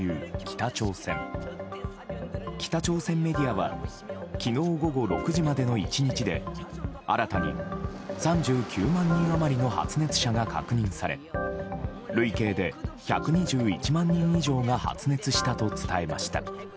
北朝鮮メディアは昨日午後６時までの１日で新たに３９万人余りの発熱者が確認され累計で１２１万人以上が発熱したと伝えました。